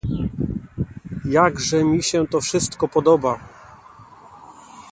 "Jakże mi się to wszystko podoba!"